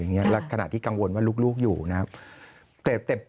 แหละขณะที่ง่วงลูกอยู่นะครับ